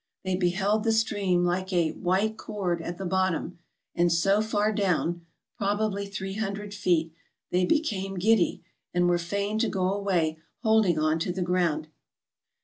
They beheld the stream like a " white cord " at the bottom, and so far down (probably three hundred feet) that they became giddy, and were fain to go away holding on to the ground.